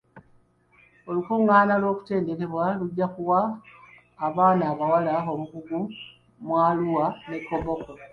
Olukungaana lw'okutendekebwa lujja kuwa baana bawala obukugu mu Arua ne Koboko.